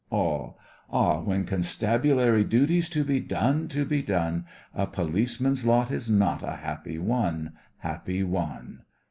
ALL: Ah, when constabulary duty's to be done, to be done, A policeman's lot is not a happy one, happy one.